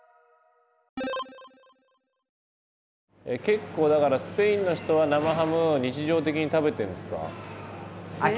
結構だからスペインの人は生ハムを日常的に食べてるんですか？